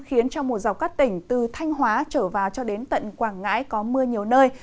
khiến cho một dọc các tỉnh từ thanh hóa trở vào cho đến tận quảng ngãi có mưa nhiều nơi